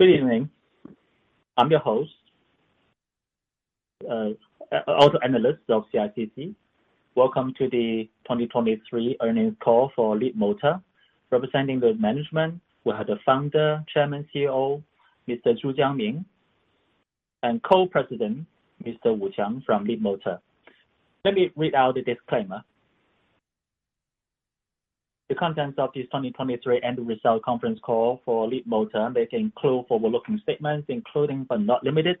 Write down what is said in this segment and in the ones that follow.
Good evening. I'm your host, auto analyst of CICC. Welcome to the 2023 earnings call for Leapmotor. Representing the management, we have the founder, Chairman, CEO, Mr. Zhu Jiangming, and Co-President, Mr. Wu Qiang from Leapmotor. Let me read out the disclaimer. The contents of this 2023 annual result conference call for Leapmotor may contain forward-looking statements, including but not limited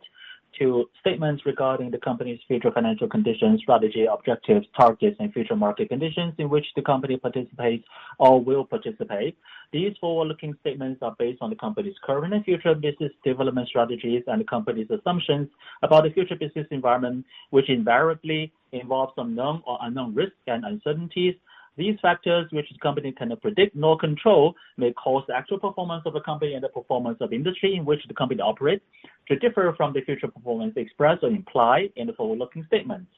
to statements regarding the company's future financial conditions, strategy, objectives, targets, and future market conditions in which the company participates or will participate. These forward-looking statements are based on the company's current and future business development strategies and the company's assumptions about the future business environment, which invariably involve some known or unknown risks and uncertainties. These factors, which the company cannot predict nor control, may cause the actual performance of the company and the performance of the industry in which the company operates to differ from the future performance expressed or implied in the forward-looking statements.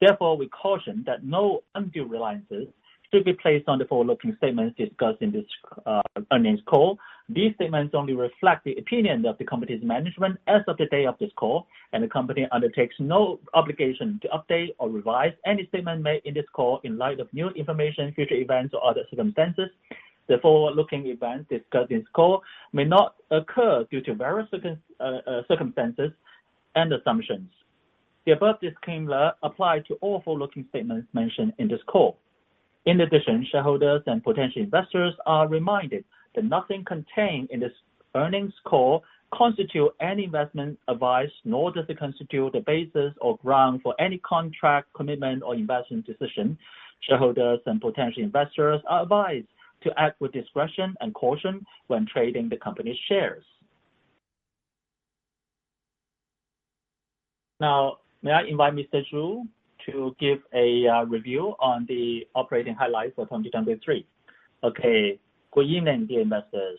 Therefore, we caution that no undue reliance should be placed on the forward-looking statements discussed in this earnings call. These statements only reflect the opinions of the company's management as of the day of this call, and the company undertakes no obligation to update or revise any statement made in this call in light of new information, future events, or other circumstances. The forward-looking events discussed in this call may not occur due to various circumstances and assumptions. The above disclaimer apply to all forward-looking statements mentioned in this call. In addition, shareholders and potential investors are reminded that nothing contained in this earnings call constitutes any investment advice, nor does it constitute the basis or ground for any contract, commitment, or investment decision. Shareholders and potential investors are advised to act with discretion and caution when trading the company's shares. Now, may I invite Mr. Zhu to give a review on the operating highlights for 2023. Okay. Good evening, dear investors.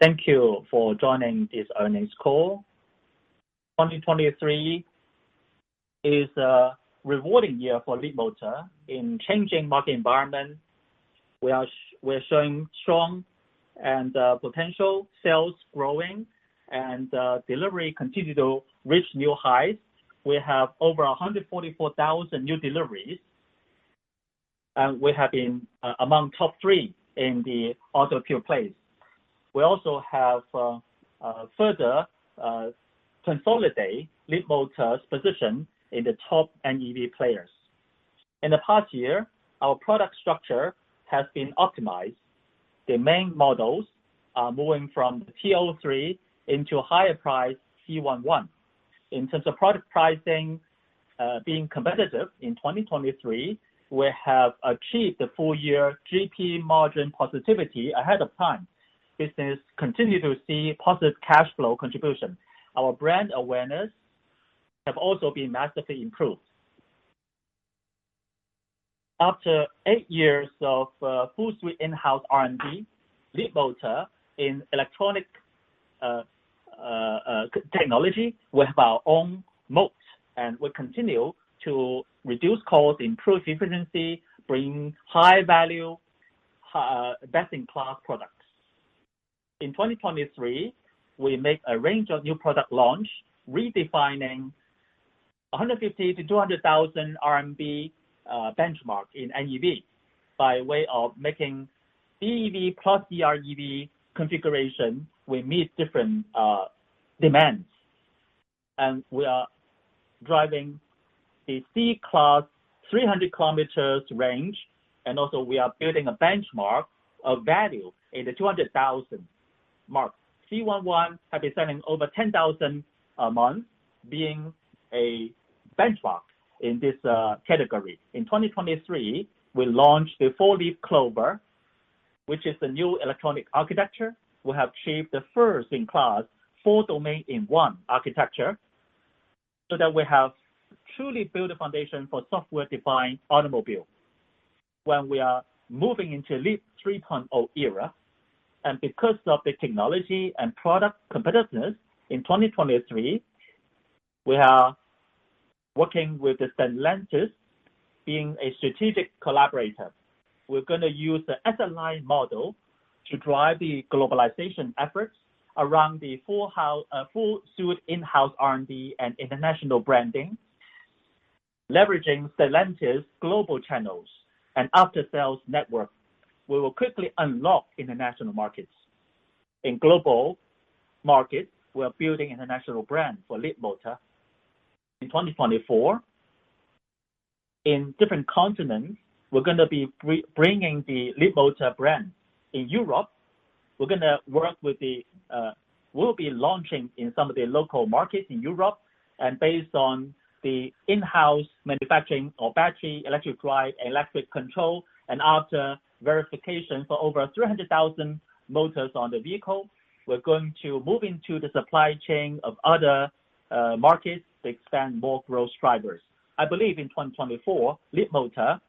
Thank you for joining this earnings call. 2023 is a rewarding year for Leapmotor. In changing market environment, we're showing strong and potential sales growing, and delivery continue to reach new heights. We have over 144,000 new deliveries, and we have been among top three in the auto pure plays. We also have further consolidate Leapmotor's position in the top NEV players. In the past year, our product structure has been optimized. The main models are moving from the T03 into a higher price, C11. In terms of product pricing, being competitive in 2023, we have achieved the full year GP margin positivity ahead of time. Business continue to see positive cash flow contribution. Our brand awareness have also been massively improved. After 8 years of full-suite in-house R&D, Leapmotor in electronic technology, we have our own moat, and we continue to reduce cost, improve efficiency, bring high value, best-in-class products. In 2023, we make a range of new product launch, redefining 150,000-200,000 RMB benchmark in NEV. By way of making BEV plus EREV configuration, we meet different demands, and we are driving the C-class 300 km range. We are building a benchmark of value in the 200,000 mark. C11 have been selling over 10,000 a month, being a benchmark in this category. In 2023, we launched the Four-Leaf Clover, which is the new electronic architecture. We have achieved the first-in-class four domain in one architecture, so that we have truly built a foundation for software-defined automobile. When we are moving into LEAP 3.0 era, because of the technology and product competitiveness in 2023, we are working with Stellantis, being a strategic collaborator. We are going to use the asset line model to drive the globalization efforts around the full suite in-house R&D and international branding, leveraging Stellantis global channels and after-sales network. We will quickly unlock international markets. In global markets, we are building international brand for Leapmotor. In 2024, in different continents, we are going to be bringing the Leapmotor brand. In Europe, we will be launching in some of the local markets in Europe, based on the in-house manufacturing of battery, electric drive, electric control, and after verification for over 300,000 motors on the vehicle, we are going to move into the supply chain of other markets to expand more growth drivers. I believe in 2024, Leapmotor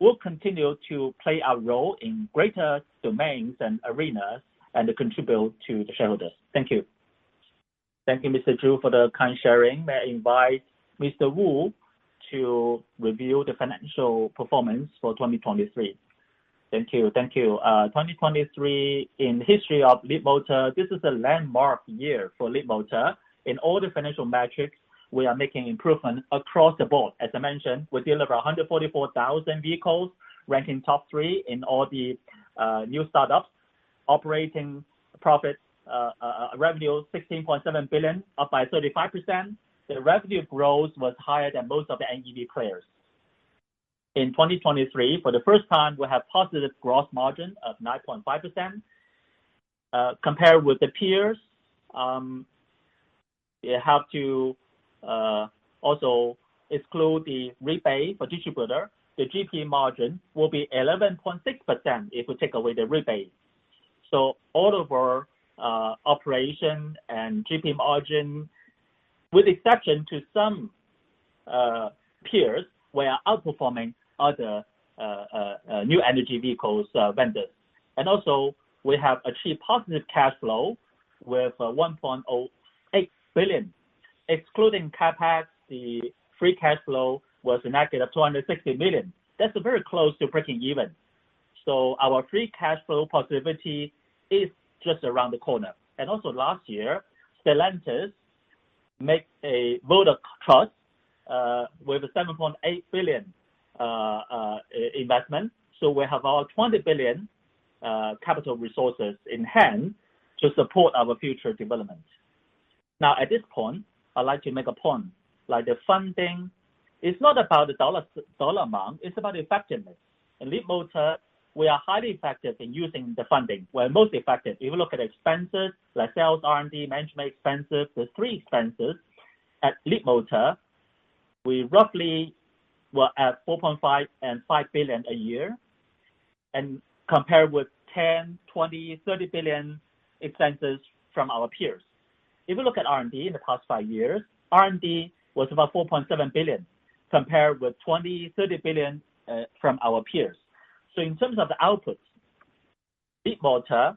will continue to play a role in greater domains and arenas and contribute to the shareholders. Thank you. Thank you, Mr. Zhu, for the kind sharing. May I invite Mr. Wu to review the financial performance for 2023. Thank you. 2023, in the history of Leapmotor, this is a landmark year for Leapmotor. In all the financial metrics, we are making improvements across the board. As I mentioned, we delivered 144,000 vehicles, ranking top three in all the new startups. Operating profit, revenue 16.7 billion, up by 35%. The revenue growth was higher than most of the NEV players. In 2023, for the first time, we have positive gross margin of 9.5%. Compared with the peers, you have to also exclude the rebate for distributor. The GP margin will be 11.6% if we take away the rebate. All of our operation and GP margin, with exception to some peers, we are outperforming other new energy vehicles vendors. Also we have achieved positive cash flow with 1.08 billion. Excluding CapEx, the free cash flow was negative, 260 million. That is very close to breaking even. Our free cash flow positivity is just around the corner. Also last year, Stellantis made a vote of trust with a 7.8 billion investment. We have our 20 billion capital resources in hand to support our future development. At this point, I would like to make a point. The funding is not about the dollar amount, it is about effectiveness. In Leapmotor, we are highly effective in using the funding. We are most effective. If you look at expenses like sales, R&D, management expenses, the three expenses at Leapmotor, we roughly were at 4.5 billion and 5 billion a year. Compared with 10 billion, 20 billion, 30 billion expenses from our peers. If you look at R&D in the past five years, R&D was about 4.7 billion, compared with 20 billion, 30 billion from our peers. In terms of the outputs, Leapmotor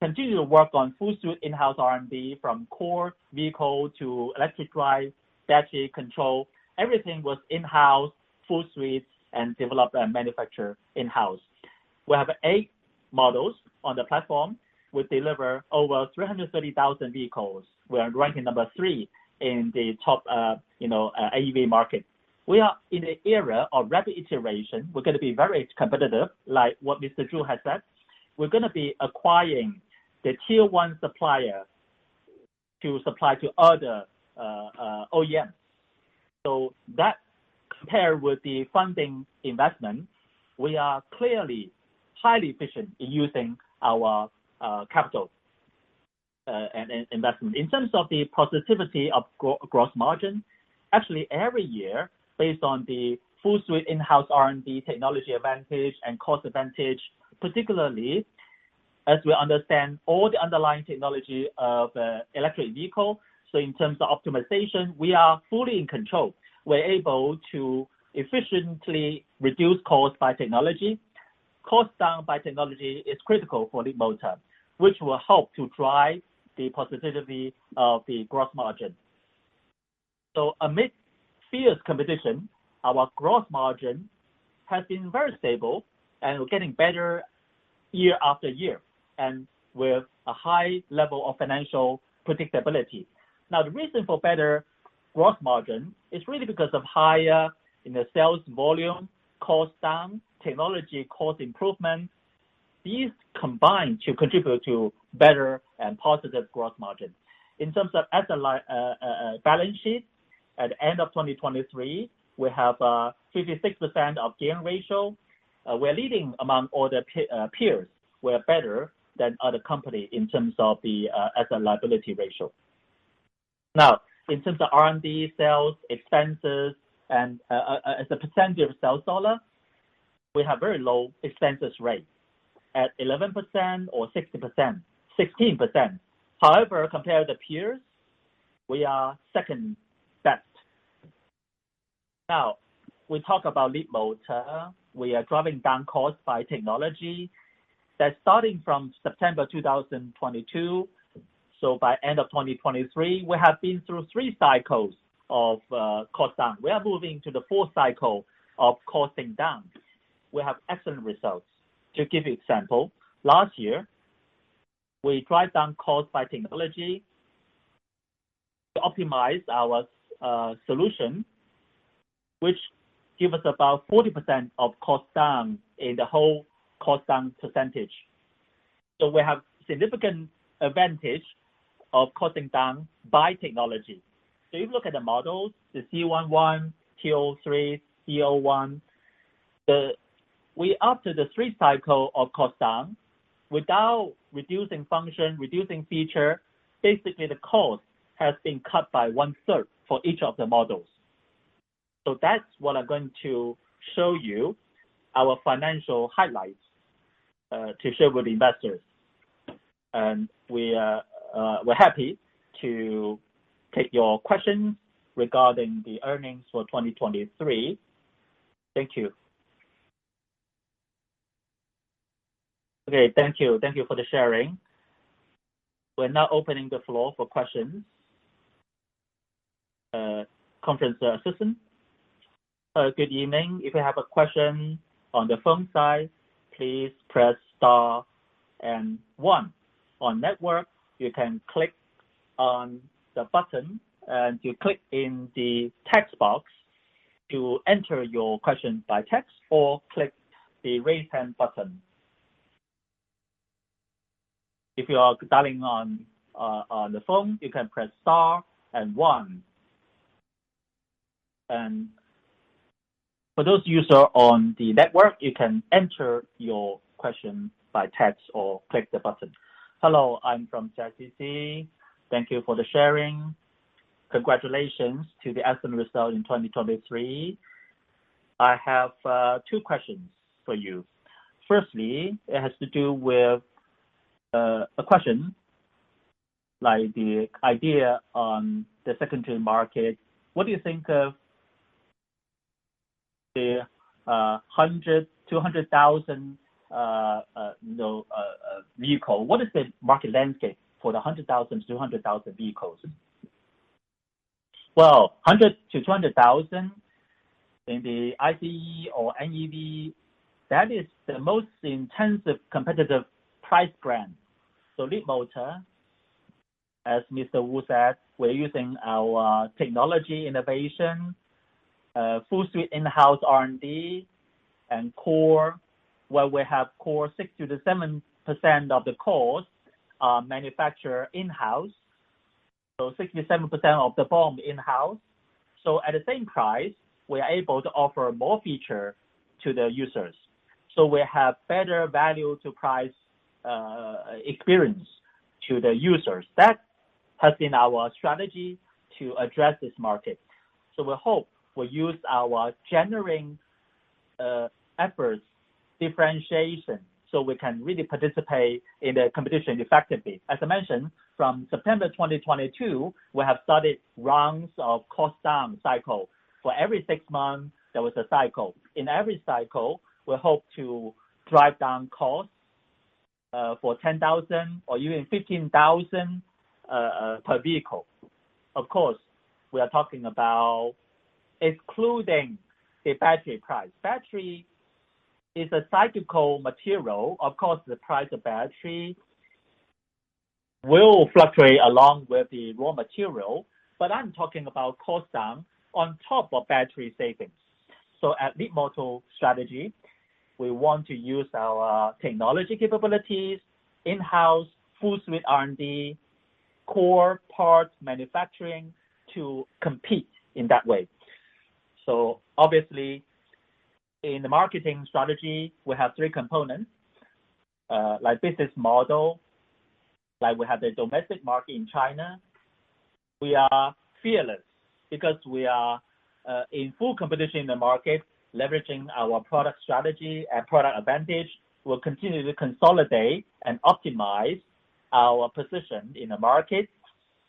continued to work on full suite in-house R&D, from core vehicle to electric drive, battery, control. Everything was in-house, full suite, and developed and manufactured in-house. We have eight models on the platform. We deliver over 330,000 vehicles. We are ranking number three in the top NEV market. We are in an era of rapid iteration. We're going to be very competitive, like what Mr. Zhu has said. We're going to be acquiring the tier 1 supplier to supply to other OEMs. Compared with the funding investment, we are clearly highly efficient in using our capital and investment. In terms of the positivity of gross margin, actually every year, based on the full suite in-house R&D technology advantage and cost advantage, particularly as we understand all the underlying technology of the electric vehicle. In terms of optimization, we are fully in control. We're able to efficiently reduce costs by technology. Cost down by technology is critical for Leapmotor, which will help to drive the positivity of the gross margin. Amid fierce competition, our gross margin has been very stable and getting better year after year, and with a high level of financial predictability. The reason for better gross margin is really because of higher sales volume, cost down, technology cost improvements. These combine to contribute to better and positive gross margin. In terms of asset balance sheet, at the end of 2023, we have 56% of gear ratio. We're leading among all the peers. We're better than other company in terms of the asset liability ratio. In terms of R&D, sales, expenses, and as a percentage of sales dollar, we have very low expenses rate at 11% or 16%. However, compare the peers, we are second best. We talk about Leapmotor. We are driving down costs by technology. That starting from September 2022, by end of 2023, we have been through three cycles of cost down. We are moving to the fourth cycle of costing down. We have excellent results. To give you example, last year, we drive down cost by technology to optimize our solution, which give us about 40% of cost down in the whole cost down percentage. We have significant advantage of costing down by technology. If you look at the models, the C11, T03, T01, we're up to the three cycle of cost down without reducing function, reducing feature. Basically, the cost has been cut by one-third for each of the models. That's what I'm going to show you, our financial highlights to share with investors. We're happy to take your questions regarding the earnings for 2023. Thank you. Okay. Thank you. Thank you for the sharing. We're now opening the floor for questions. Conference assistant. Good evening. If you have a question on the phone side, please press star and one. On network, you can click on the button you click in the text box to enter your question by text, or click the raise hand button. If you are dialing on the phone, you can press star and one. For those user on the network, you can enter your question by text or click the button. Hello, I'm from CICC. Thank you for the sharing. Congratulations to the excellent result in 2023. I have two questions for you. Firstly, it has to do with a question, like the idea on the second tier market. What do you think of the 100,000-200,000 vehicle? What is the market landscape for the 100,000-200,000 vehicles? Well, 100,000-200,000 in the ICE or NEV, that is the most intensive competitive price brand. Leapmotor, as Mr. Wu said, we're using our technology innovation, full suite in-house R&D, and core, where we have core 60%-70% of the cores are manufacture in-house. 67% of the BOM in-house. At the same price, we are able to offer more feature to the users. We have better value to price experience to the users. That has been our strategy to address this market. We hope we use our generic efforts differentiation so we can really participate in the competition effectively. As I mentioned, from September 2022, we have started rounds of cost-down cycle. For every six months, there was a cycle. In every cycle, we hope to drive down costs, for 10,000 or even 15,000 per vehicle. Of course, we are talking about excluding the battery price. Battery is a cyclical material. Of course, the price of battery will fluctuate along with the raw material, but I'm talking about cost-down on top of battery savings. At Leapmotor strategy, we want to use our technology capabilities, in-house full suite R&D, core parts manufacturing to compete in that way. Obviously, in the marketing strategy, we have three components. Business model, we have the domestic market in China. We are fearless because we are in full competition in the market, leveraging our product strategy and product advantage. We'll continue to consolidate and optimize our position in the market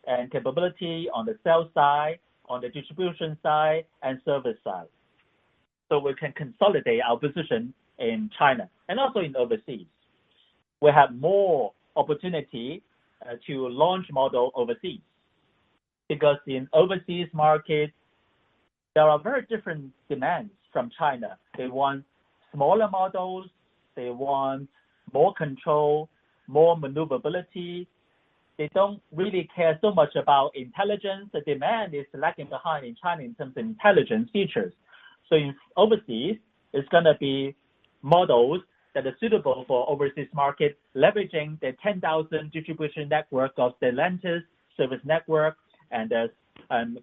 and capability on the sales side, on the distribution side, and service side. We can consolidate our position in China and also in overseas. We have more opportunity to launch model overseas, because in overseas markets, there are very different demands from China. They want smaller models. They want more control, more maneuverability. They don't really care so much about intelligence. The demand is lagging behind in China in terms of intelligence features. In overseas, it's going to be models that are suitable for overseas markets, leveraging the 10,000 distribution network of Stellantis service network and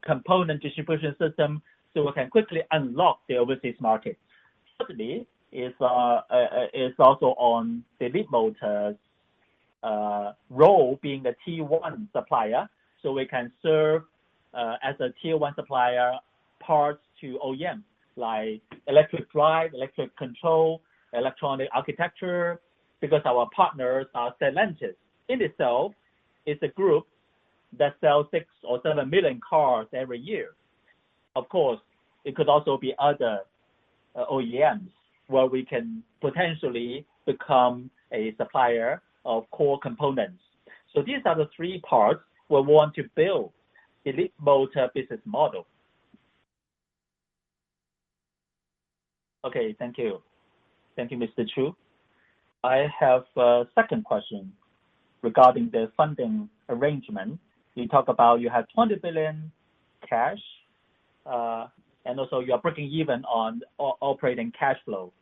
component distribution system, so we can quickly unlock the overseas market. Thirdly, is also on the Leapmotor's role being a tier 1 supplier, so we can serve as a tier 1 supplier parts to OEMs, like electric drive, electric control, electronic architecture, because our partners are Stellantis. In itself, it's a group that sells 7 million cars every year. Of course, it could also be other OEMs where we can potentially become a supplier of core components. These are the three parts where we want to build the Leapmotor business model. Okay. Thank you. Thank you, Mr. Zhu. I have a second question regarding the funding arrangement. You talked about you have 20 billion cash, and also you are breaking even on operating cash flow.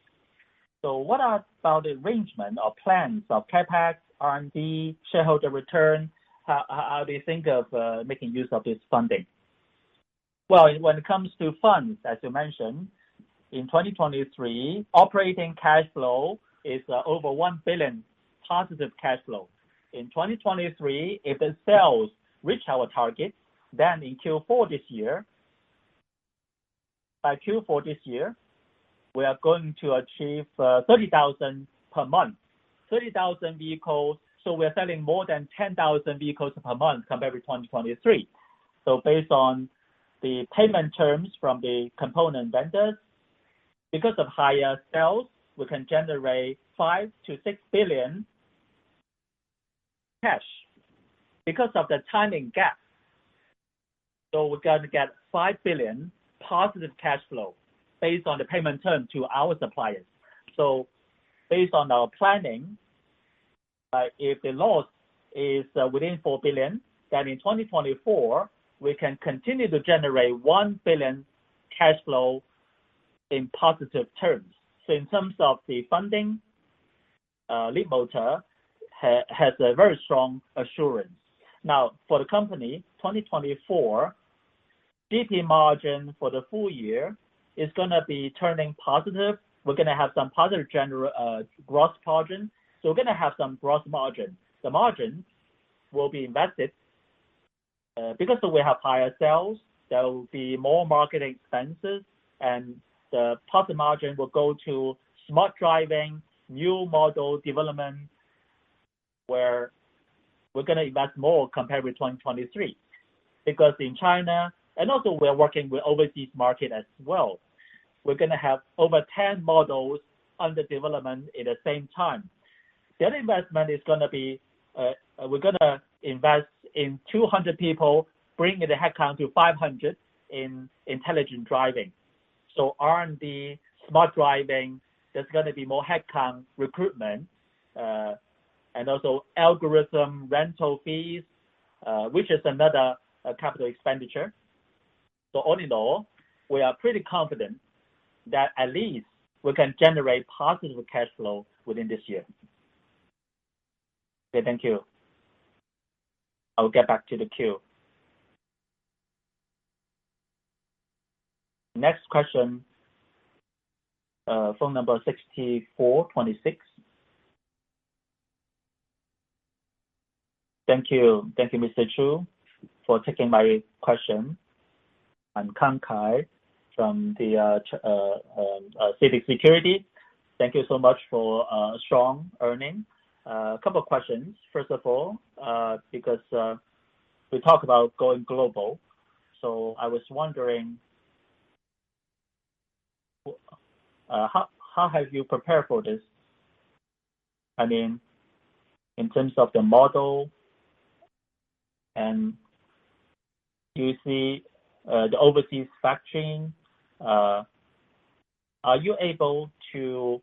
What about the arrangement or plans of CapEx, R&D, shareholder return? How do you think of making use of this funding? Well, when it comes to funds, as you mentioned, in 2023, operating cash flow is over 1 billion positive cash flow. In 2023, if the sales reach our targets, then by Q4 this year, we are going to achieve 30,000 per month. 30,000 vehicles, we are selling more than 10,000 vehicles per month compared to 2023. The payment terms from the component vendors. Because of higher sales, we can generate 5 billion-6 billion cash because of the timing gap. We're going to get 5 billion positive cash flow based on the payment term to our suppliers. Based on our planning, if the loss is within 4 billion, then in 2024, we can continue to generate 1 billion cash flow in positive terms. In terms of the funding, Leapmotor has a very strong assurance. Now, for the company, 2024, GP margin for the full year is going to be turning positive. We're going to have some positive gross margin. We're going to have some gross margin. The margin will be invested. We have higher sales, there will be more marketing expenses, and the profit margin will go to smart driving, new model development, where we're going to invest more compared with 2023. In China. Also we're working with overseas market as well. We're going to have over 10 models under development at the same time. The other investment is we're going to invest in 200 people, bringing the headcount to 500 in smart driving. R&D, smart driving, there's going to be more headcount recruitment, and also algorithm rental fees, which is another capital expenditure. All in all, we are pretty confident that at least we can generate positive cash flow within this year. Okay. Thank you. I will get back to the queue. Next question, phone number 6426. Thank you. Thank you, Mr. Zhu, for taking my question. I'm Kankai from CITIC Securities. Thank you so much for strong earnings. A couple questions. First of all, we talk about going global, I was wondering, how have you prepared for this? In terms of the model and do you see the overseas factory, are you able to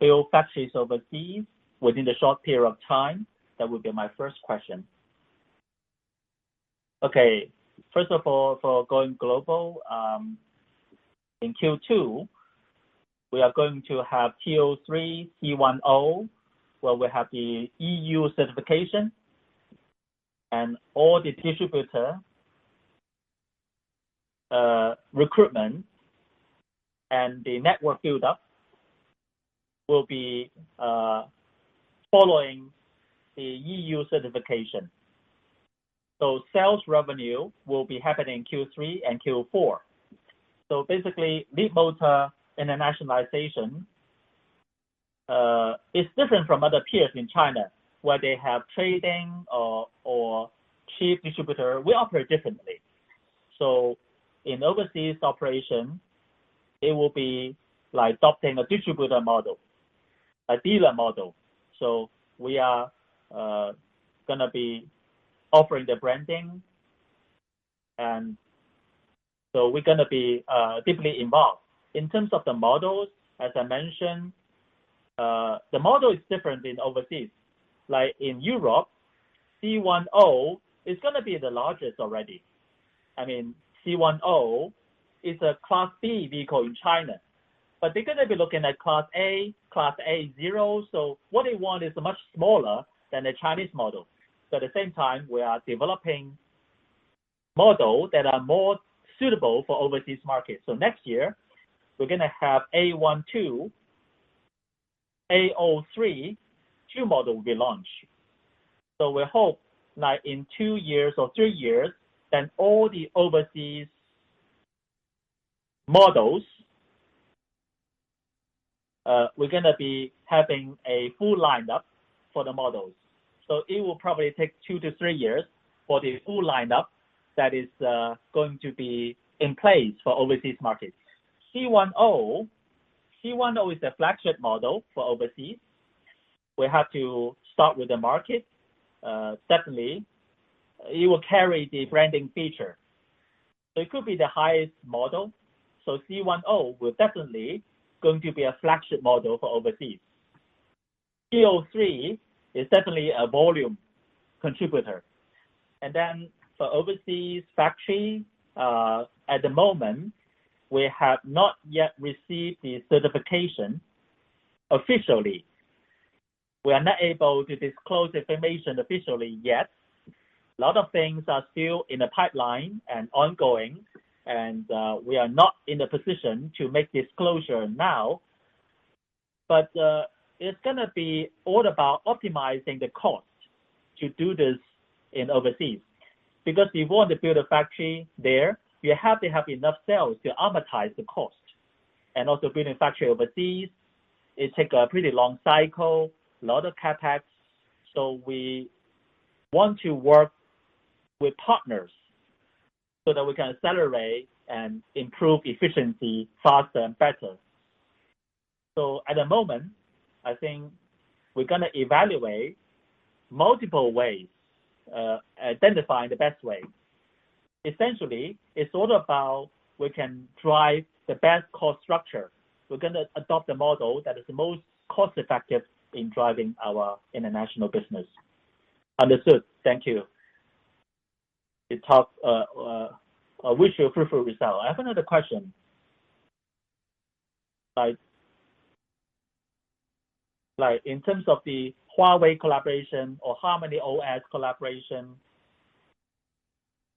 build factories overseas within the short period of time? That would be my first question. Okay. First of all, for going global, in Q2, we are going to have T03, C10, where we have the EU certification and all the distributor recruitment, and the network build-up will be following the EU certification. Sales revenue will be happening in Q3 and Q4. Basically, Leapmotor internationalization is different from other peers in China, where they have trading or chief distributor. We operate differently. In overseas operation, it will be like adopting a distributor model, a dealer model. We are going to be offering the branding, we're going to be deeply involved. In terms of the models, as I mentioned, the model is different in overseas. In Europe, C10 is going to be the largest already. C10 is a Class B vehicle in China, but they're going to be looking at Class A, Class A0. What they want is much smaller than the Chinese model. At the same time, we are developing models that are more suitable for overseas markets. Next year, we're going to have A12, A03, two models will be launched. We hope, in two years or three years, then all the overseas models, we're going to be having a full lineup for the models. It will probably take two to three years for the full lineup that is going to be in place for overseas markets. C10 is a flagship model for overseas. We have to start with the market. Certainly, it will carry the branding feature. It could be the highest model. C10 will definitely going to be a flagship model for overseas. T03 is certainly a volume contributor. For overseas factory, at the moment, we have not yet received the certification officially. We are not able to disclose information officially yet. A lot of things are still in the pipeline and ongoing, and we are not in the position to make disclosure now. It's going to be all about optimizing the cost to do this in overseas. Because we want to build a factory there, we have to have enough sales to amortize the cost, and also building factory overseas It takes a pretty long cycle, a lot of CapEx, so we want to work with partners so that we can accelerate and improve efficiency faster and better. At the moment, I think we're going to evaluate multiple ways, identifying the best way. Essentially, it's all about we can drive the best cost structure. We're going to adopt a model that is the most cost-effective in driving our international business. Understood. Thank you. Wish you a fruitful result. I have another question. In terms of the Huawei collaboration or HarmonyOS collaboration,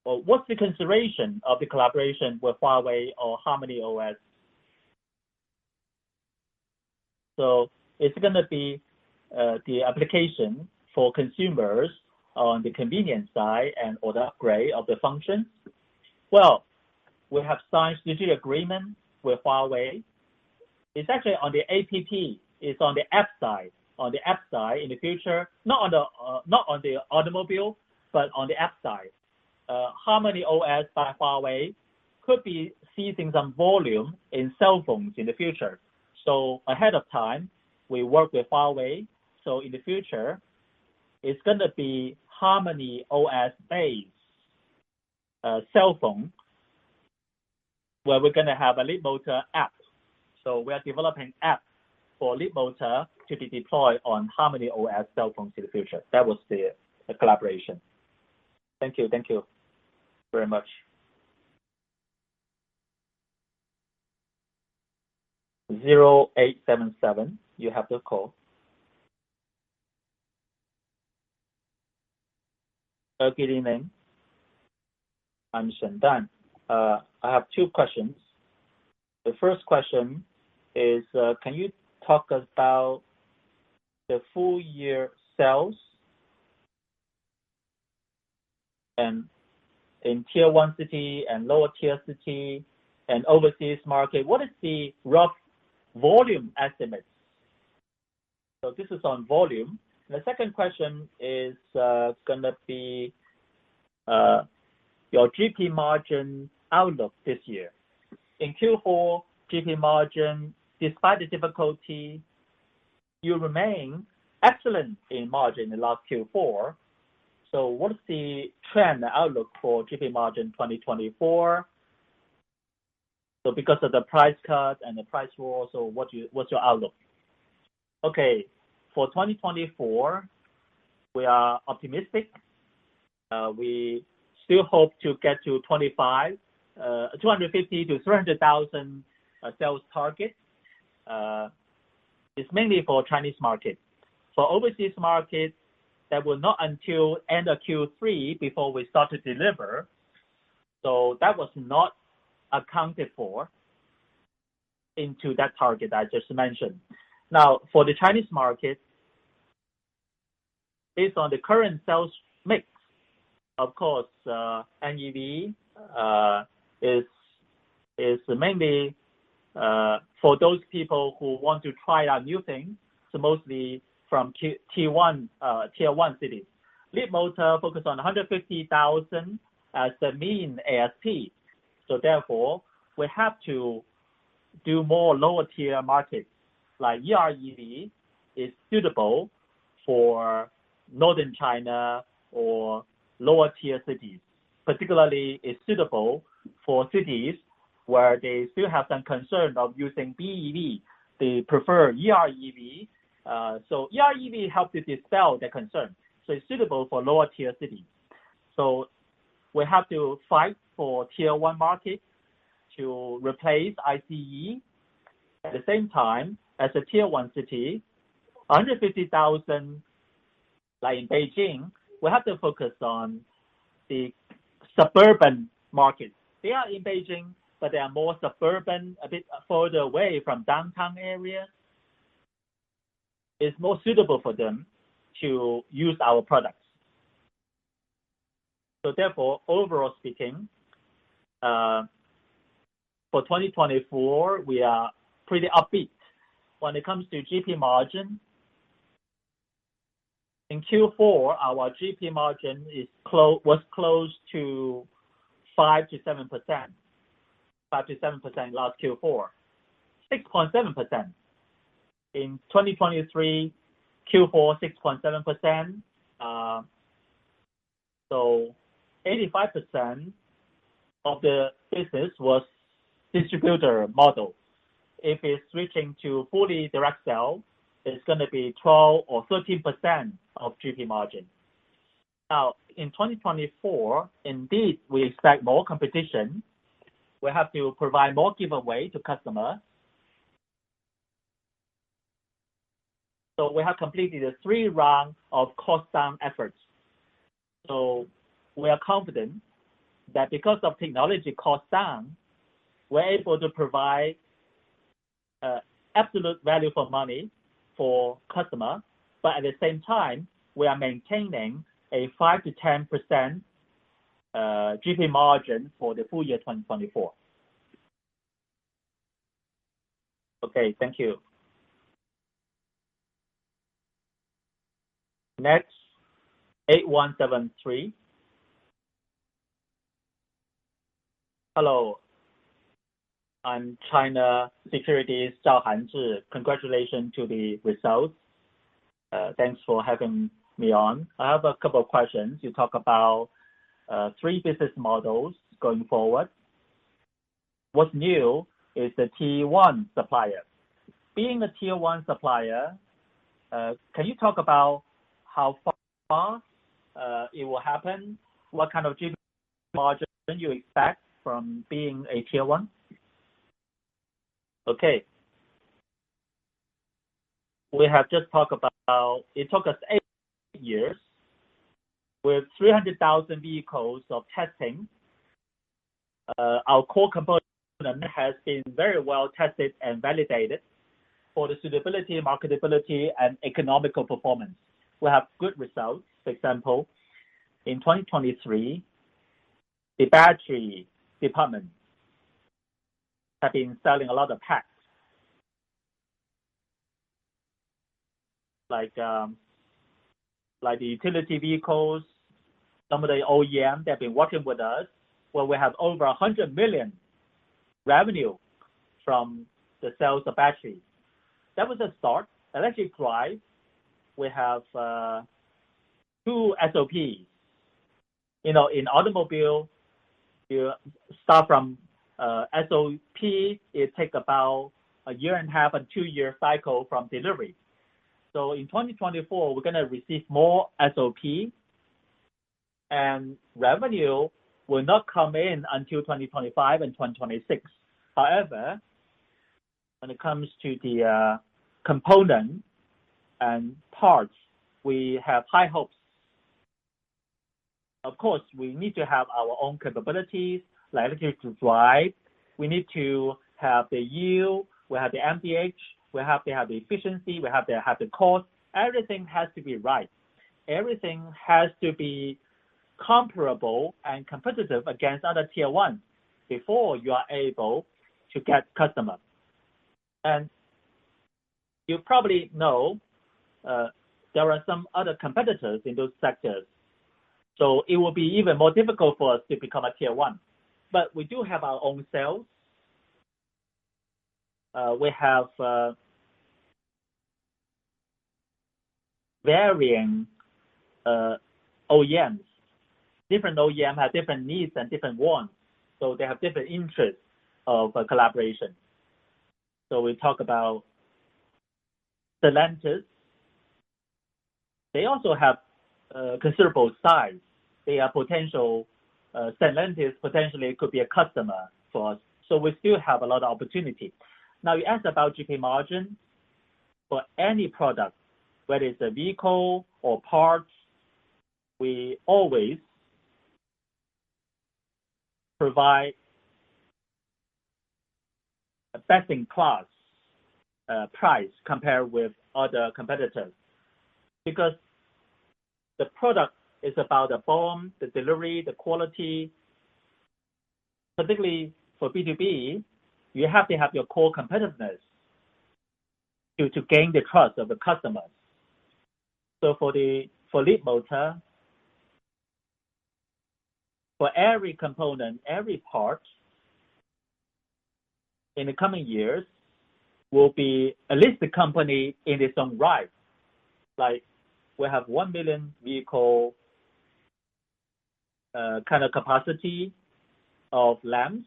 what's the consideration of the collaboration with Huawei or HarmonyOS? It's going to be the application for consumers on the convenience side and/or the upgrade of the functions. We have signed strategic agreement with Huawei. It's actually on the app side. On the app side in the future, not on the automobile, but on the app side. HarmonyOS by Huawei could be seeing some volume in cell phones in the future. Ahead of time, we work with Huawei, in the future, it's going to be HarmonyOS-based cell phone, where we're going to have a Leapmotor app. We are developing app for Leapmotor to be deployed on HarmonyOS cell phones in the future. That was the collaboration. Thank you. Thank you very much. 0877, you have the call. Good evening. I'm Shendan. I have two questions. The first question is, can you talk about the full-year sales? In Tier 1 city and lower tier city and overseas market, what is the rough volume estimates? This is on volume. The second question is going to be your GP margin outlook this year. In Q4, GP margin, despite the difficulty, you remain excellent in margin in last Q4. What is the trend outlook for GP margin 2024? Because of the price cut and the price war also, what's your outlook? For 2024, we are optimistic. We still hope to get to 250,000 to 300,000 sales target. It's mainly for Chinese market. For overseas market, that will not until end of Q3 before we start to deliver. That was not accounted for into that target I just mentioned. For the Chinese market, based on the current sales mix, of course, NEV is mainly for those people who want to try out new things, mostly from Tier 1 cities. Leapmotor focus on 150,000 as the mean ASP. Therefore, we have to do more lower tier markets. Like EREV is suitable for Northern China or lower tier cities. Particularly, it's suitable for cities where they still have some concern of using BEV. They prefer EREV. EREV help to dispel their concern, it's suitable for lower tier cities. We have to fight for Tier 1 markets to replace ICE. At the same time, as a tier 1 city, 150,000, like in Beijing, we have to focus on the suburban markets. They are in Beijing, but they are more suburban, a bit further away from downtown area. It is more suitable for them to use our products. Therefore, overall speaking, for 2024, we are pretty upbeat. When it comes to GP margin, in Q4, our GP margin was close to 5%-7%. Five to 7% last Q4. 6.7%. In 2023 Q4, 6.7%. 85% of the business was distributor model. If it is switching to fully direct sale, it is going to be 12%-13% of GP margin. Now, in 2024, indeed, we expect more competition. We have to provide more giveaway to customer. We have completed a three round of cost down efforts. We are confident that because of technology cost down, we are able to provide absolute value for money for customer, but at the same time, we are maintaining a 5%-10% GP margin for the full year 2024. Okay. Thank you. Next, 8173. Hello. I am China Securities, Zhao Hanzi. Congratulations to the results. Thanks for having me on. I have a couple of questions. You talk about three business models going forward. What is new is the tier 1 supplier. Being a tier 1 supplier, can you talk about how far it will happen? What kind of GP margin you expect from being a tier 1? Okay. We have just talked about, it took us eight years with 300,000 vehicles of testing. Our core component has been very well tested and validated for the suitability, marketability, and economical performance. We have good results. For example, in 2023, the battery department have been selling a lot of packs. Like the utility vehicles, some of the OEMs, they have been working with us, where we have over 100 million revenue from the sales of battery. That was a start. Electric drive, we have two SOPs. In automobile, you start from SOP, it takes about a year and a half and two-year cycle from delivery. In 2024, we are going to receive more SOP, and revenue will not come in until 2025 and 2026. However, when it comes to the component and parts, we have high hopes. Of course, we need to have our own capabilities, like electric drive. We need to have the yield, we have the NVH, we have to have the efficiency, we have to have the cost. Everything has to be right. Everything has to be comparable and competitive against other tier 1 before you are able to get customers. You probably know, there are some other competitors in those sectors. It will be even more difficult for us to become a tier 1. We do have our own sales. We have varying OEMs. Different OEM have different needs and different wants. They have different interests of a collaboration. We talk about Stellantis. They also have considerable size. Stellantis potentially could be a customer for us. We still have a lot of opportunity. Now, you asked about GP margin. For any product, whether it is a vehicle or parts, we always provide a best-in-class price compared with other competitors, because the product is about the form, the delivery, the quality. Particularly for B2B, you have to have your core competitiveness to gain the trust of the customers. For Leapmotor, for every component, every part in the coming years will be a listed company in its own right. Like we have 1 million vehicle capacity of LAM.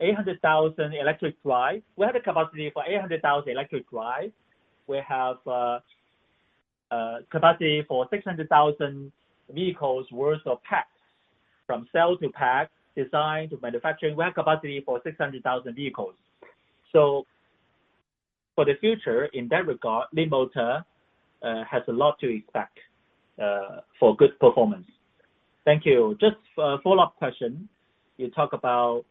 800,000 electric drive. We have the capacity for 800,000 electric drive. We have capacity for 600,000 vehicles worth of packs, from cell to pack, design to manufacturing. We have capacity for 600,000 vehicles. For the future, in that regard, Leapmotor has a lot to expect for good performance. Thank you. Just a follow-up question. You talk about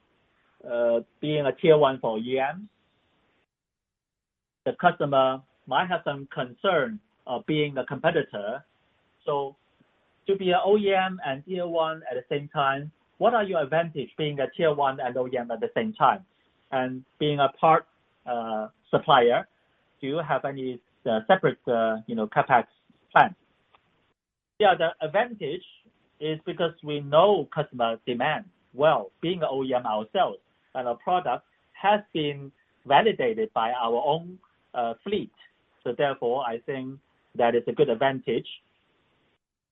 being a tier one for OEMs. The customer might have some concern of being a competitor. To be an OEM and tier one at the same time, what are your advantage being a tier one and OEM at the same time? And being a parts supplier, do you have any separate CapEx plan? The advantage is because we know customer demand well, being an OEM ourselves, and our product has been validated by our own fleet. Therefore, I think that is a good advantage.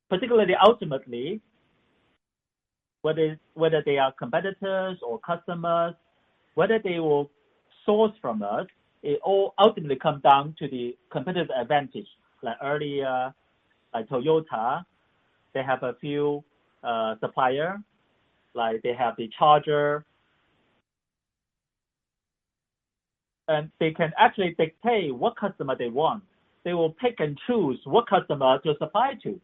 Particularly, ultimately, whether they are competitors or customers, whether they will source from us, it all ultimately come down to the competitive advantage. Like earlier, like Toyota, they have a few supplier. Like they have the charger. They can actually dictate what customer they want. They will pick and choose what customer to supply to.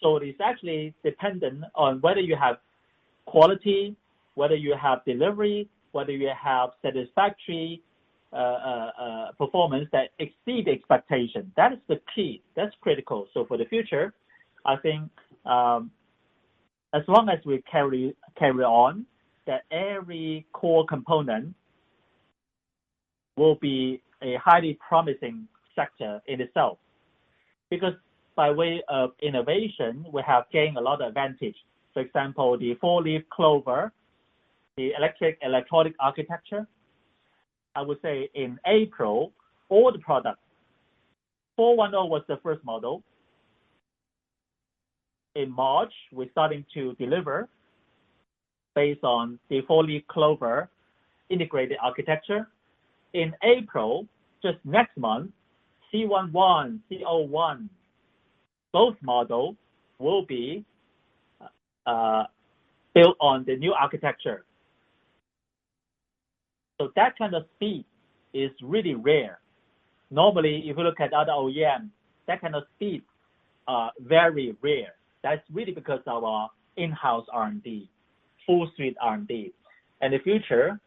It is actually dependent on whether you have quality, whether you have delivery, whether you have satisfactory performance that exceed expectation. That is the key. That's critical. For the future, I think, as long as we carry on, that every core component will be a highly promising sector in itself. By way of innovation, we have gained a lot of advantage. For example, the Four-Leaf Clover, the electric electronic architecture. I would say in April, all the products, 410 was the first model. In March, we're starting to deliver based on the Four-Leaf Clover integrated architecture. In April, just next month, C11, C01, both models will be built on the new architecture. That kind of speed is really rare. Normally, if you look at other OEM, that kind of speed, very rare. That's really because of our in-house R&D, full suite R&D. In the future,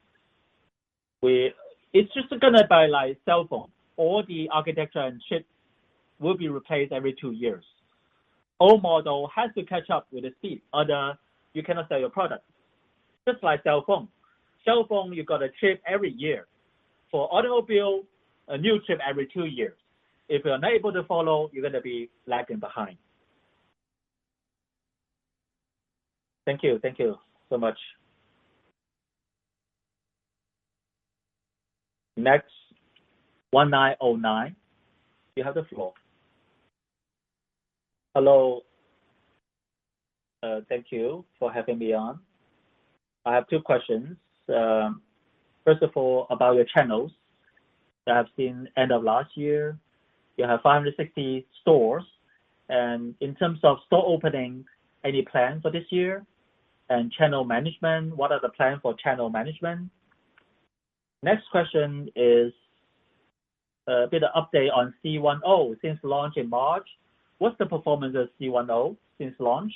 it's just going to be like cellphone. All the architecture and chips will be replaced every two years. All models have to catch up with the speed, otherwise you cannot sell your product. Just like cellphone. Cellphone, you get a chip every year. For automobile, a new chip every two years. If you're not able to follow, you're going to be lagging behind. Thank you. Thank you so much. Next, 1909, you have the floor. Hello. Thank you for having me on. I have two questions. First of all, about your channels. I've seen end of last year, you have 560 stores. In terms of store opening, any plan for this year? Channel management, what are the plan for channel management? Next question is, a bit of update on C10 since launch in March. What's the performance of C10 since launch?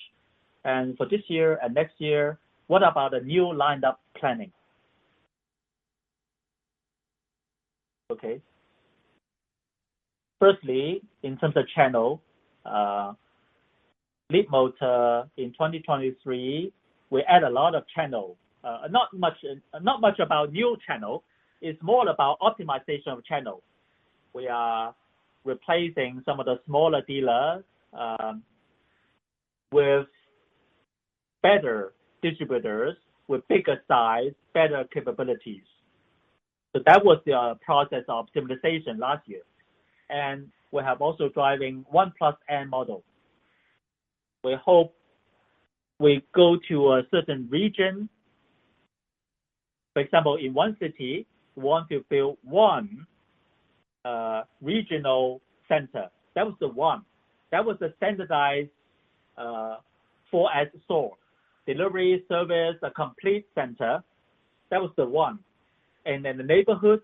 For this year and next year, what about the new lined-up planning? Firstly, in terms of channel, Leapmotor in 2023, we added a lot of channels. Not much about new channels, it's more about optimization of channels. We are replacing some of the smaller dealers with better distributors, with bigger size, better capabilities. That was the process of optimization last year. We have also driving one plus N model. We hope we go to a certain region. For example, in one city, we want to build one regional center. That was the one. That was a standardized 4S store. Delivery service, a complete center. That was the one. The neighborhood,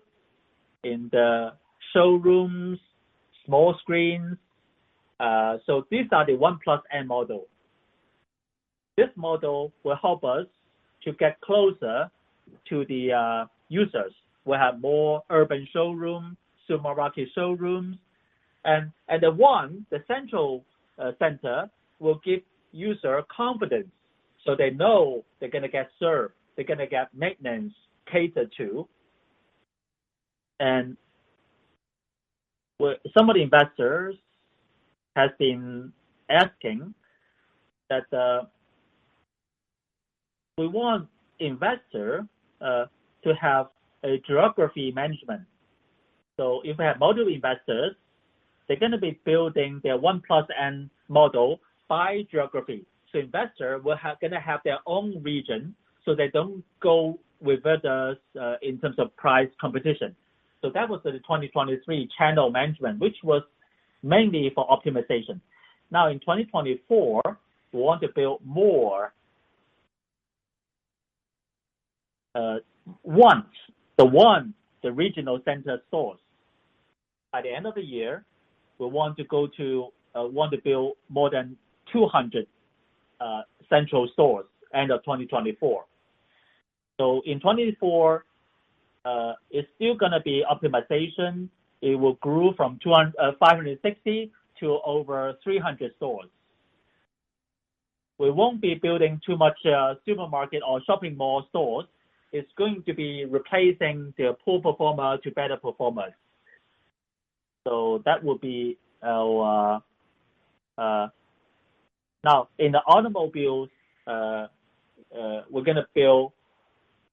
the showrooms, small screens. These are the one plus N model. This model will help us to get closer to the users. We have more urban showroom, supermarket showrooms. The one, the central center, will give user confidence. They know they're going to get served, they're going to get maintenance catered to. Some of the investors have been asking that we want investor to have a geography management. If we have module investors, they're going to be building their one plus N model by geography. Investor will going to have their own region, so they don't go with others in terms of price competition. That was the 2023 channel management, which was mainly for optimization. Now, in 2024, we want to build more ones. The one, the regional center source. At the end of the year, we want to build more than 200 central stores end of 2024. In 2024, it's still going to be optimization. It will grow from 560 to over 300 stores. We won't be building too much supermarket or shopping mall stores. It's going to be replacing their poor performer to better performers. That will be our Now, in the automobiles, we're going to build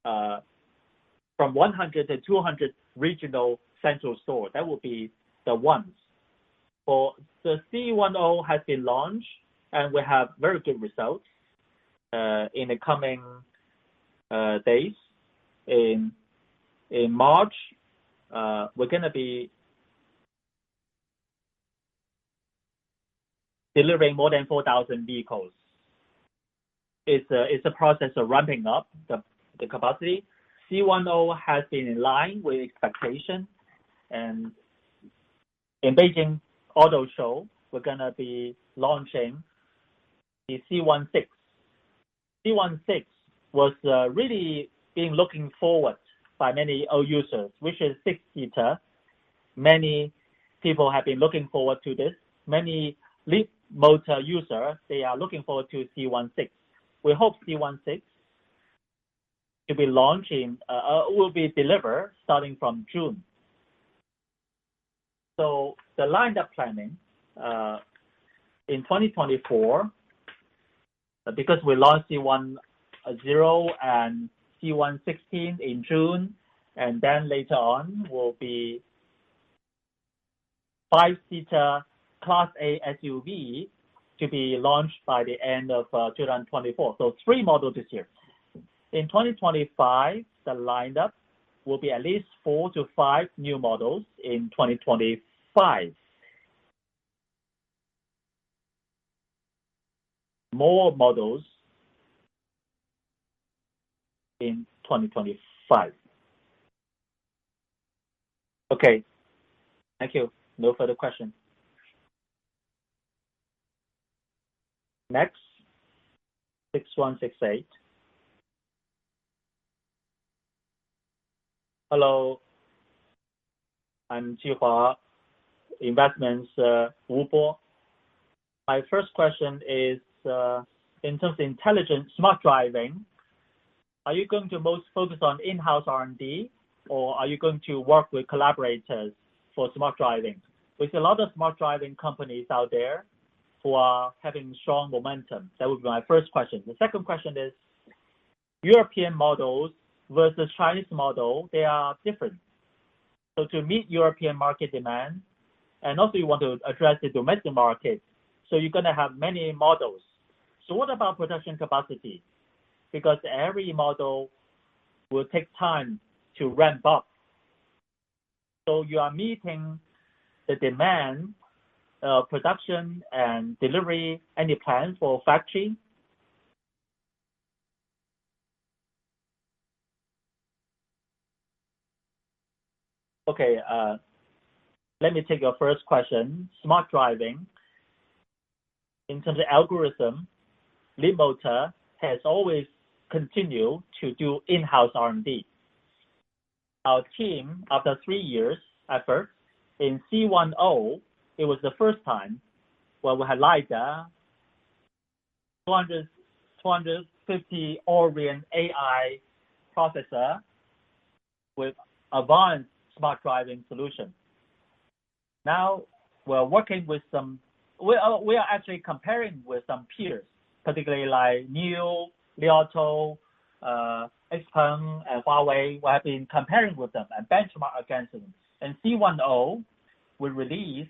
from 100 to 200 regional central store. That will be the ones. The C10 has been launched, we have very good results, in the coming days. In March, we're going to be delivering more than 4,000 vehicles. It's a process of ramping up the capacity. C10 has been in line with expectation. In Beijing Auto Show, we're going to be launching the C16. C16 was really being looked forward by many old users, which is six-seater. Many people have been looking forward to this. Many Leapmotor users, they are looking forward to C16. We hope C16 will be delivered starting from June. The lineup planning, in 2024, because we launched C10 and C16 in June, later on will be five-seater Class A SUV to be launched by the end of 2024. Three models this year. In 2025, the lineup will be at least four to five new models in 2025. More models in 2025. Okay. Thank you. No further question. Next, 6168. Hello. I'm Zhihua, Investments Wubo. My first question is, in terms of intelligent smart driving, are you going to most focus on in-house R&D, or are you going to work with collaborators for smart driving? We see a lot of smart driving companies out there who are having strong momentum. That would be my first question. The second question is, European models versus Chinese models, they are different. To meet European market demand, you want to address the domestic market, you're going to have many models. What about production capacity? Because every model will take time to ramp up. You are meeting the demand, production, and delivery. Any plan for factory? Okay. Let me take your first question, smart driving. In terms of algorithm, Leapmotor has always continued to do in-house R&D. Our team, after three years effort, in C10, it was the first time where we had LiDAR, 250 Orin AI processor with advanced smart driving solution. Now, we are actually comparing with some peers, particularly like NIO, Li Auto, XPeng, and Huawei. We have been comparing with them and benchmark against them. In C10, we released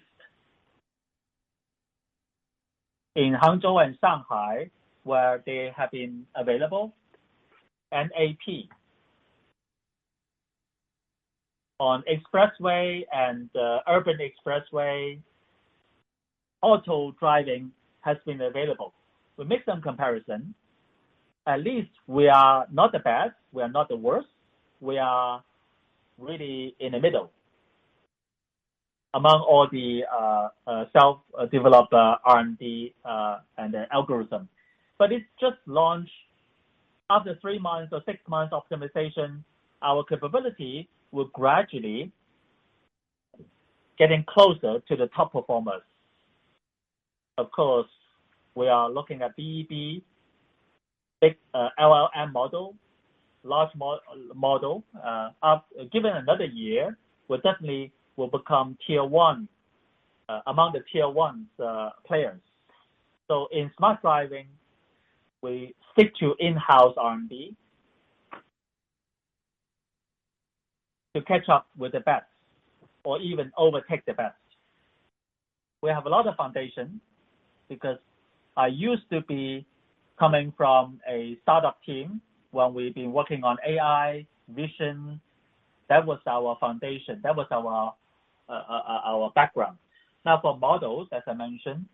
in Hangzhou and Shanghai, where they have been available, NAP. On expressway and urban expressway, auto-driving has been available. We make some comparison. At least we are not the best, we are not the worst. We are really in the middle among all the self-developed R&D, and their algorithm. It's just launched. After three months or six months optimization, our capability will gradually get closer to the top performers. Of course, we are looking at BEB, big LLM model, large model. Given another year, we definitely will become among the tier 1 players. In smart driving, we stick to in-house R&D to catch up with the best or even overtake the best. We have a lot of foundation because I used to be coming from a startup team where we've been working on AI vision. That was our foundation, that was our background. Now for models, as I mentioned,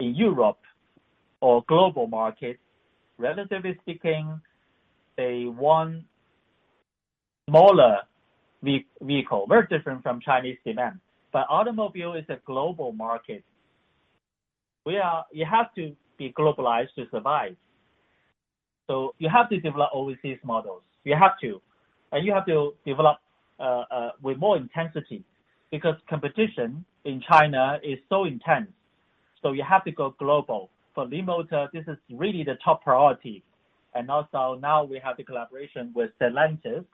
in Europe or global markets, relatively speaking, they want smaller vehicle. Very different from Chinese demand. Automobile is a global market, where you have to be globalized to survive. You have to develop overseas models. You have to. You have to develop with more intensity because competition in China is so intense. You have to go global. For Leapmotor, this is really the top priority. Also now we have the collaboration with Stellantis.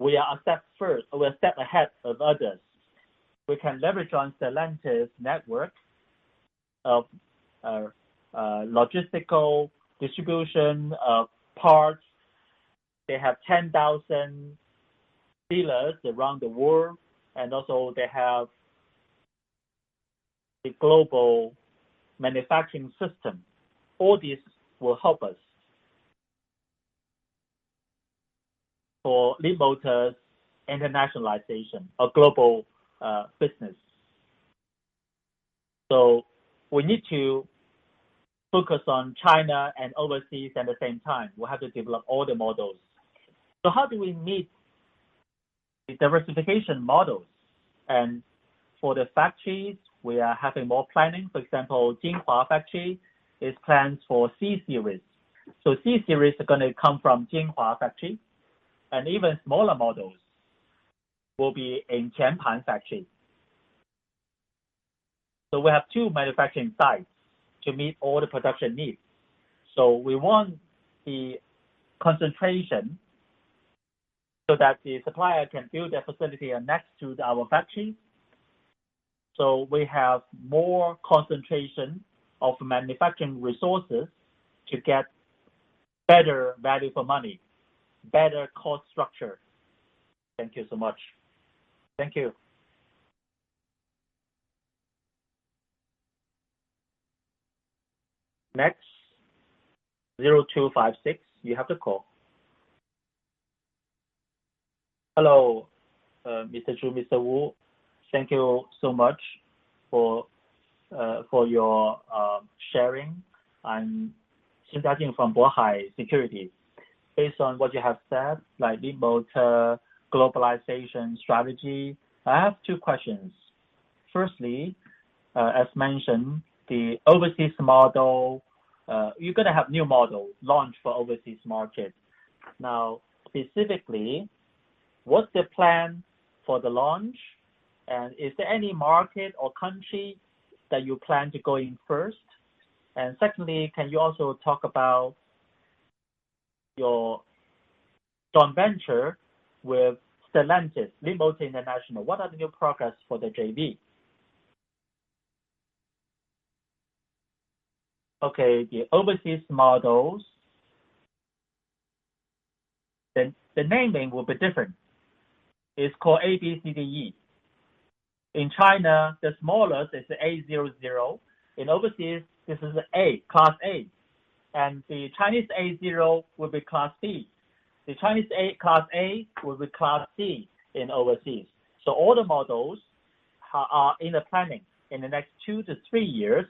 We are a step ahead of others. We can leverage on Stellantis' network of logistical distribution of parts. They have 10,000 dealers around the world, and also they have a global manufacturing system. All this will help us for Leapmotor's internationalization or global business. We need to focus on China and overseas at the same time. We have to develop all the models. How do we meet the diversification models? For the factories, we are having more planning. For example, Jinhua factory is planned for C series. C series are going to come from Jinhua factory, and even smaller models will be in Tianpan factory. We have two manufacturing sites to meet all the production needs. We want the concentration so that the supplier can build their facility next to our factory, so we have more concentration of manufacturing resources to get better value for money, better cost structure. Thank you so much. Thank you. Next, 0256, you have the call. Hello, Mr. Zhu, Mr. Wu. Thank you so much for your sharing. I'm Xin Zhaojun from Bohai Securities. Based on what you have said, like Leapmotor globalization strategy, I have two questions. Firstly, as mentioned, the overseas model, you're going to have new models launched for overseas markets. Now, specifically, what's the plan for the launch, and is there any market or country that you plan to go in first? Secondly, can you also talk about your joint venture with Stellantis, Leapmotor International, what are the new progress for the JV? Okay, the overseas models, the naming will be different. It's called A, B, C, D, E. In China, the smallest is A00. In overseas, this is A, Class A. The Chinese A0 will be Class C. The Chinese Class A will be Class C in overseas. All the models are in the planning. In the next two to three years,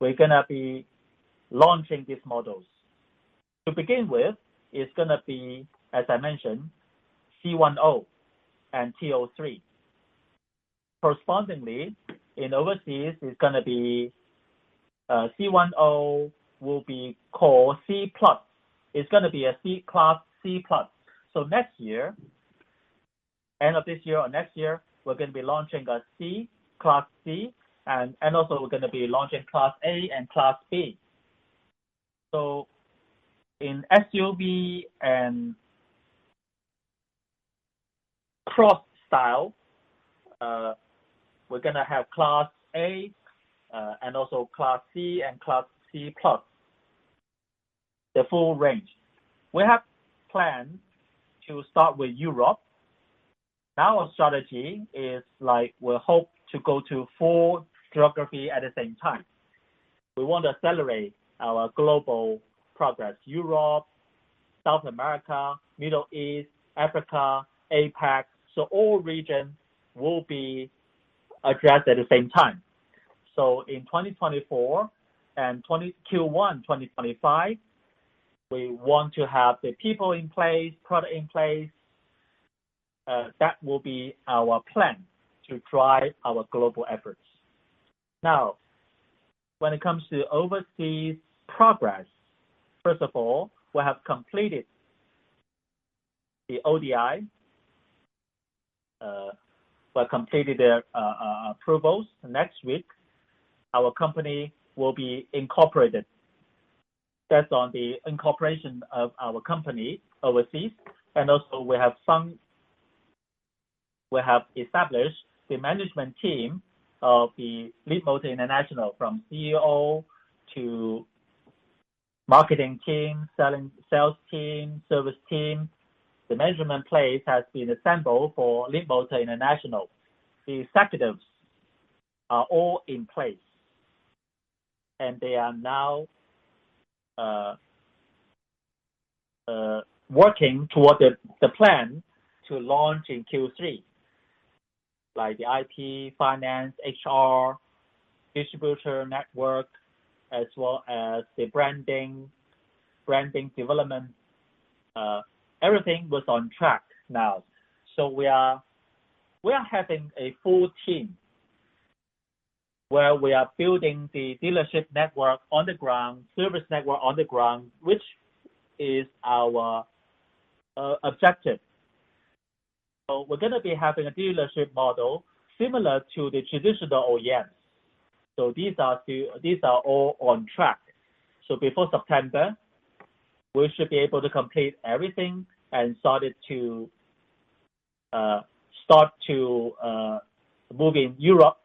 we're going to be launching these models. To begin with, it's going to be, as I mentioned, C10 and T03. Correspondingly, in overseas C10 will be called C+. It's going to be a Class C+. Next year, end of this year or next year, we're going to be launching a Class C, and also we're going to be launching Class A and Class B. In SUV and cross style, we're going to have Class A, and also Class C, and Class C+, the full range. We have plans to start with Europe. Now our strategy is we hope to go to four geography at the same time. We want to accelerate our global progress. Europe, South America, Middle East, Africa, APAC. All regions will be addressed at the same time. In 2024 and Q1 2025, we want to have the people in place, product in place. That will be our plan to drive our global efforts. Now, when it comes to overseas progress, first of all, we have completed the ODI. We have completed the approvals. Next week, our company will be incorporated based on the incorporation of our company overseas. Also, we have established the management team of the Leapmotor International, from CEO to marketing team, sales team, service team. The management place has been assembled for Leapmotor International. The executives are all in place, and they are now working toward the plan to launch in Q3, like the IP, finance, HR, distributor network, as well as the branding development. Everything was on track now. We are having a full team where we are building the dealership network on the ground, service network on the ground, which is our objective. We're going to be having a dealership model similar to the traditional OEMs. These are all on track. Before September, we should be able to complete everything and start to move in Europe,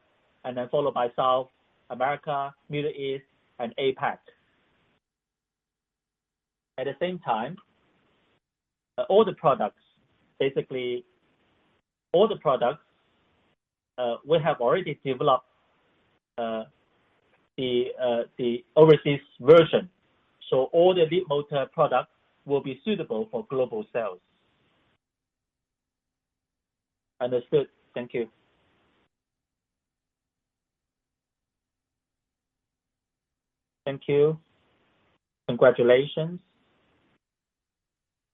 and then followed by South America, Middle East, and APAC. At the same time, all the products, basically, we have already developed the overseas version. All the Leapmotor products will be suitable for global sales. Understood. Thank you. Thank you. Congratulations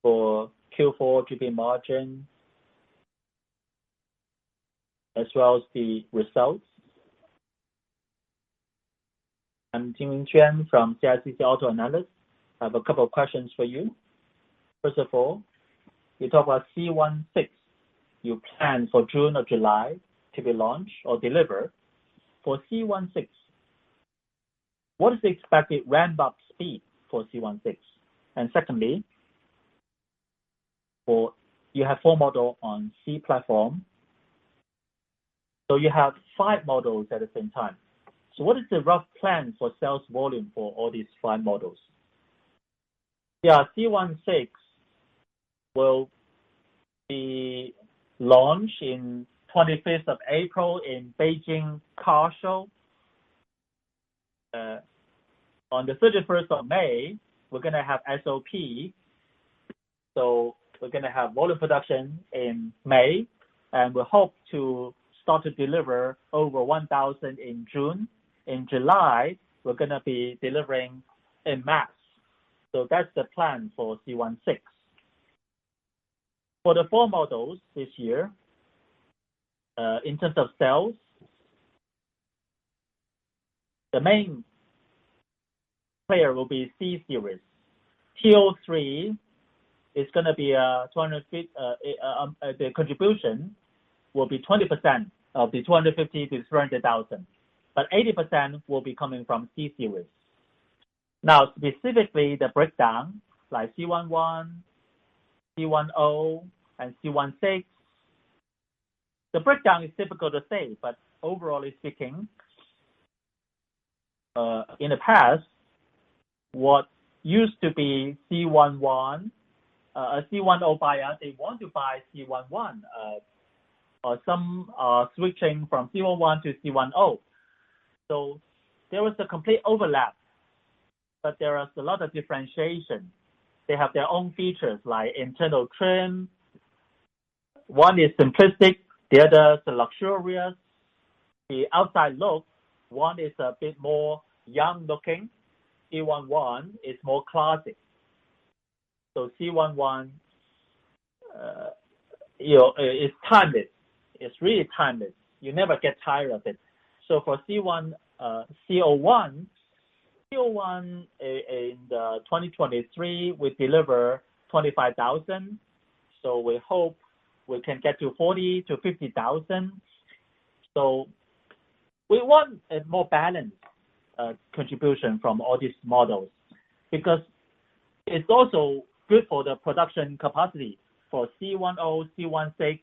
for Q4 GP margin, as well as the results. I'm Jing Chen from CSCC Auto Analyst. I have a couple questions for you. First of all, you talk about C16, you plan for June or July to be launched or delivered. For C16, what is the expected ramp-up speed for C16? Secondly, you have four model on C platform, you have five models at the same time. What is the rough plan for sales volume for all these five models? C16 will be launched on the 25th of April in Beijing Auto Show. On the 31st of May, we're going to have SOP. We're going to have volume production in May, and we hope to start to deliver over 1,000 in June. In July, we're going to be delivering in mass. That's the plan for C16. For the four models this year, in terms of sales, the main player will be C series. C03, the contribution will be 20% of the 250,000 to 300,000. But 80% will be coming from C series. Now, specifically the breakdown, like C11, C10, and C16. The breakdown is difficult to say, but overall speaking, in the past, what used to be C10 buyers, they want to buy C11. Some are switching from C11 to C10. There was a complete overlap, but there is a lot of differentiation. They have their own features, like internal trim. One is simplistic, the other is luxurious. The outside look, one is a bit more young-looking, C11 is more classic. C11, it's timeless. It's really timeless. You never get tired of it. For C01 in 2023, we deliver 25,000. We hope we can get to 40,000 to 50,000. We want a more balanced contribution from all these models because it's also good for the production capacity. For C10, C16,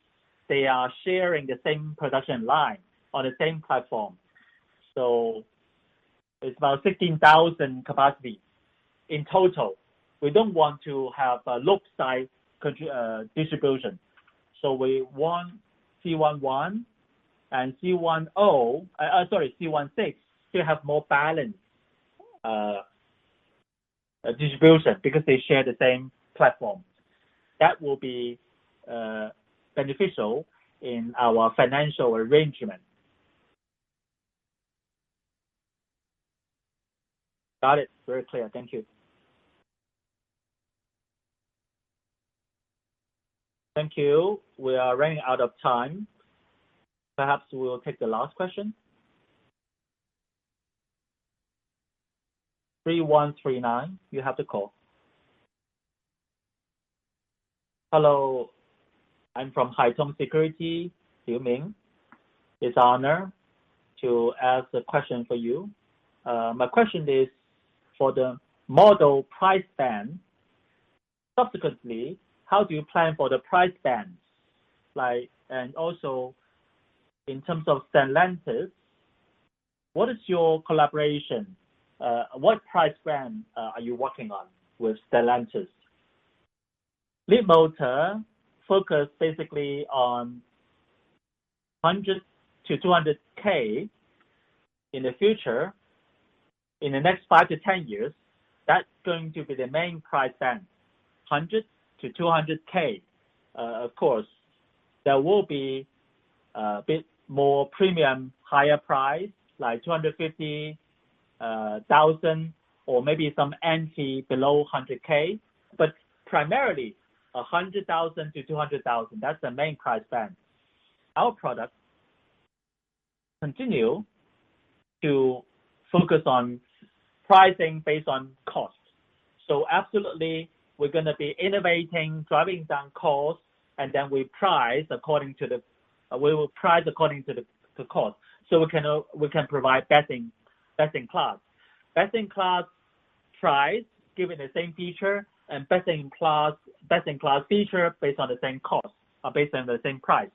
they are sharing the same production line on the same platform. It's about 16,000 capacity in total. We don't want to have a lopsided distribution. We want C11 and C10, C16 to have more balanced distribution because they share the same platform. That will be beneficial in our financial arrangement. Got it. Very clear. Thank you. Thank you. We are running out of time. Perhaps we will take the last question. 3139, you have the call. Hello. I'm from Haitong Security, Xu Ming. It's honor to ask a question for you. My question is for the model price band. Subsequently, how do you plan for the price bands? And also, in terms of Stellantis, what is your collaboration? What price band are you working on with Stellantis? Leapmotor focus basically on 100,000 to 200,000 in the future, in the next 5 to 10 years. That's going to be the main price band, 100,000 to 200,000. Of course, there will be a bit more premium, higher price, like 250,000 or maybe some entry below 100,000. Primarily, 100,000 to 200,000. That's the main price band. Our product continue to focus on pricing based on cost. Absolutely, we're going to be innovating, driving down costs, and then we will price according to the cost. We can provide best in class. Best in class price, given the same feature, and best in class feature based on the same cost or based on the same price.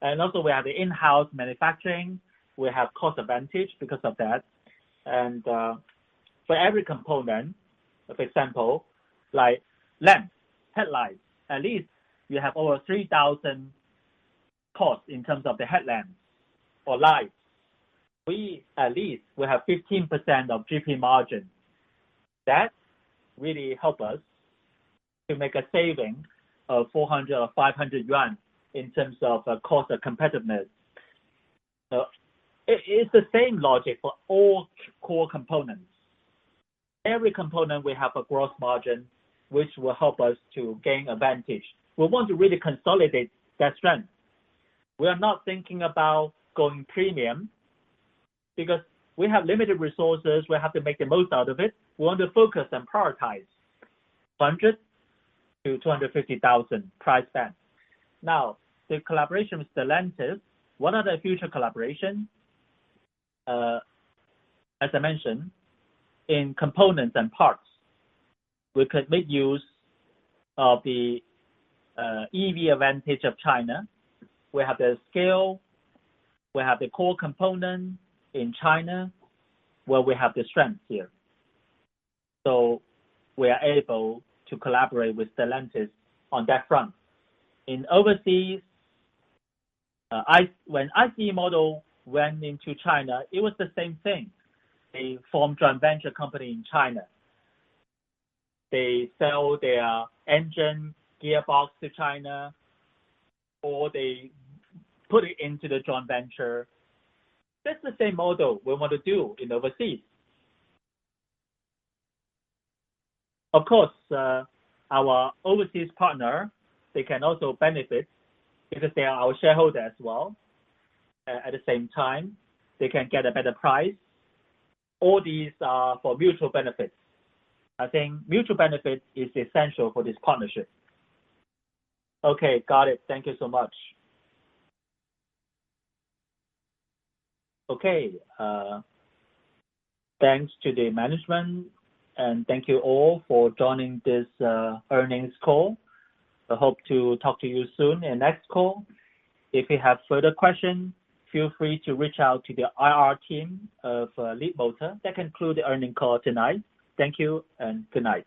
And also, we have the in-house manufacturing. We have cost advantage because of that. And for every component, for example, like lens, headlights, at least you have over 3,000 cost in terms of the headlamps or lights. We at least will have 15% of GP margin. That really help us to make a saving of 400 or 500 yuan in terms of cost competitiveness. It's the same logic for all core components. Every component will have a gross margin, which will help us to gain advantage. We want to really consolidate that strength. We are not thinking about going premium because we have limited resources. We have to make the most out of it. We want to focus and prioritize 100,000 to 250,000 price band. The collaboration with Stellantis, what are the future collaboration? As I mentioned, in components and parts, we could make use of the EV advantage of China. We have the scale, we have the core component in China, where we have the strength here. We are able to collaborate with Stellantis on that front. In overseas, when ICE model went into China, it was the same thing. They formed a joint venture company in China. They sell their engine gearbox to China, or they put it into the joint venture. That's the same model we want to do in overseas. Of course, our overseas partner, they can also benefit because they are our shareholder as well. At the same time, they can get a better price. All these are for mutual benefits. I think mutual benefit is essential for this partnership. Okay, got it. Thank you so much. Okay. Thanks to the management, and thank you all for joining this earnings call. I hope to talk to you soon in next call. If you have further questions, feel free to reach out to the IR team of Leapmotor. That concludes the earnings call tonight. Thank you and good night.